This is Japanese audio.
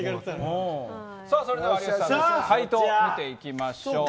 それでは有吉さんの解答を見ていきましょう。